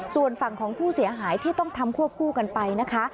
ส่วนฝั่งของผู้เสียหายที่ต้องทำควบคู่กันไปนะคะ